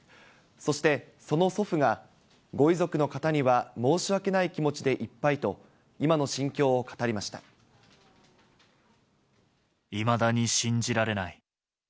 そしてその祖父が、ご遺族の方には申し訳ない気持ちでいっぱいと、今の心境を語りまいまだに信じられない。